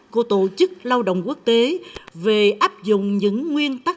của tổ chức lao động quốc tế về áp dụng những nguyên tắc